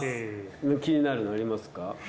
気になるのありますか？